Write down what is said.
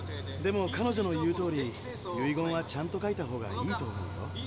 でも彼女の言うとおり遺言はちゃんと書いたほうがいいと思うよ。